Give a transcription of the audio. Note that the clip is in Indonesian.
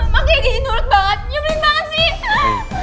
makanya didi nurut banget nyublin banget sih